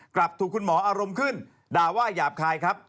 กลับถูกคุณหมออารมณ์ขึ้นด่าว่าหยาบคายครับ